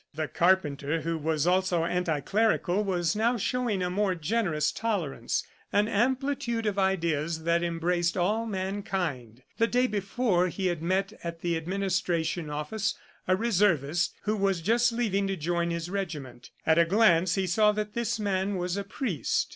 The carpenter, who was also anti clerical, was now showing a more generous tolerance, an amplitude of ideas that embraced all mankind. The day before he had met at the administration office a Reservist who was just leaving to join his regiment. At a glance he saw that this man was a priest.